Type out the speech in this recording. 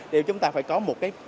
thì chúng ta phải có một cái